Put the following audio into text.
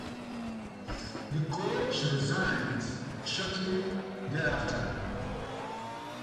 The coach resigned shortly thereafter.